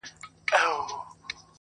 انسانيت د پېښې تر سيوري للاندي ټپي کيږي,